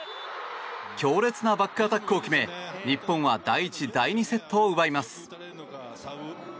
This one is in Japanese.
強烈なバックアタックを決め日本は第１、第２セットを奪います。